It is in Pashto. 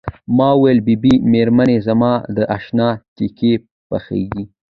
ما وویل بي بي مېرمنې زما د اشنا تیکې پخیږي.